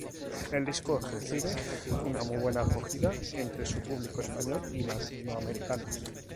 El disco recibe una muy buena acogida entre su público español y latinoamericano.